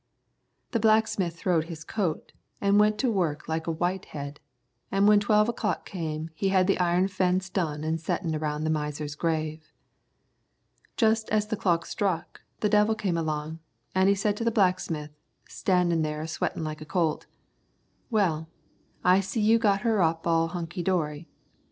The blacksmith throwed his coat an' went to work like a whitehead, an' when twelve o'clock come he had the iron fence done an' a settin' around the miser's grave. "Just as the clock struck, the devil come along, an' he said to the blacksmith, standin' there a sweatin' like a colt, 'Well, I see you got her all up hunkey dorey.'